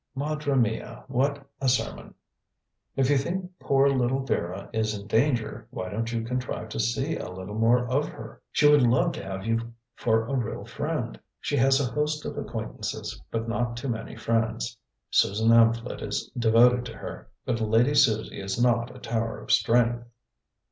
"Madre mia, what a sermon. If you think poor little Vera is in danger, why don't you contrive to see a little more of her? She would love to have you for a real friend. She has a host of acquaintances, but not too many friends. Susan Amphlett is devoted to her; but Lady Susie is not a tower of strength."